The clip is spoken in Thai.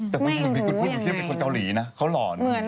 แต่คุณพุทธเป็นคนเกาหลีนะเขาหล่อนดิ